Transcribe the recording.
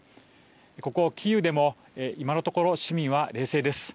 ここキーウでも今のところ市民は冷静です。